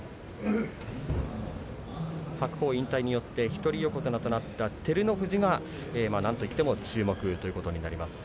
白鵬引退によって一人横綱となった照ノ富士がなんといっても注目ということになります。